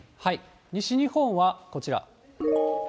西日本はこちら。